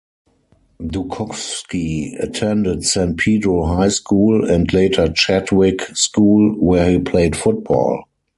Dukowski attended San Pedro High School and later Chadwick School, where he played football.